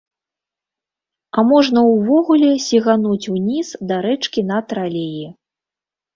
А можна ўвогуле сігануць ўніз да рэчкі на тралеі.